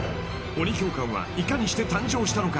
［鬼教官はいかにして誕生したのか］